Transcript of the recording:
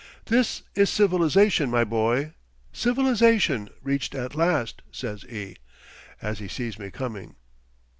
"This is civilization, my boy civilization reached at last," says E , as he sees me coming.